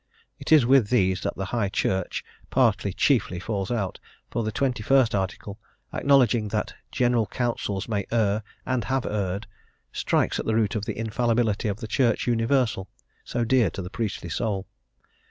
It is with these that the High Church party chiefly fall out, for the Twenty first Article, acknowledging that General Councils may err and have erred, strikes at the root of the infallibility of the Church Universal, so dear to the priestly soul.